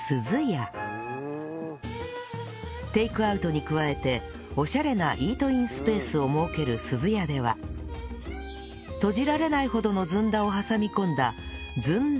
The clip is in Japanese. テイクアウトに加えてオシャレなイートインスペースを設けるすずやでは閉じられないほどのずんだを挟み込んだずんだ